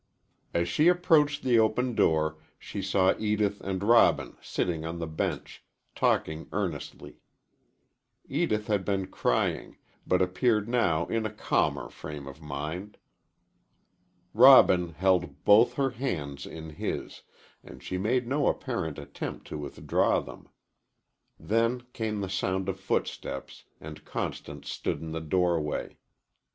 As she approached the open door she saw Edith and Robin sitting on the bench, talking earnestly. Edith had been crying, but appeared now in a calmer frame of mind. Robin held both her hands in his, and she made no apparent attempt to withdraw them. Then came the sound of footsteps and Constance stood in the doorway.